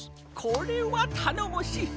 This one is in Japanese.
これはたのもしい！